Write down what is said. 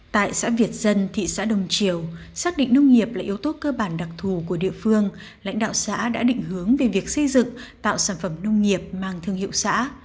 tại xã việt dân thị xã đông triều xác định nông nghiệp là yếu tố cơ bản đặc thù của địa phương lãnh đạo xã đã định hướng về việc xây dựng tạo sản phẩm nông nghiệp mang thương hiệu xã